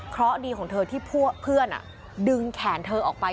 เพราะดีของเธอที่เพื่อนดึงแขนเธอออกไป